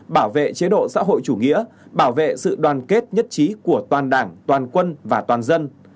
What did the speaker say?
bảo vệ chế độ xã hội chủ nghĩa bảo vệ sự đoàn kết nhất trí của toàn đảng toàn quân và toàn dân